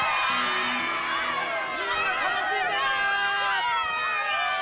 みんな楽しんでます。